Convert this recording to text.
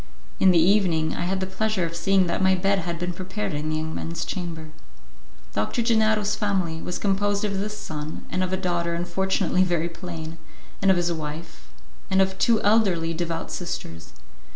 In the evening, I had the pleasure of seeing that my bed had been prepared in the young man's chamber. Doctor Gennaro's family was composed of this son and of a daughter unfortunately very plain, of his wife and of two elderly, devout sisters.